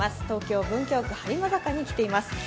東京・文京区播磨坂に来ています。